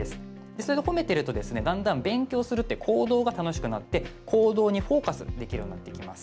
それを褒めているとだんだん、勉強するという行動が楽しくなって行動にフォーカスできるようになってきます。